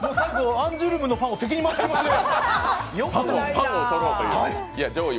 アンジュルムのファンを敵に回しましたね。